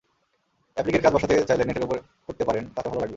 অ্যাপ্লিকের কাজ বসাতে চাইলে নেটের ওপর করতে পারেন, তাতে ভালো লাগবে।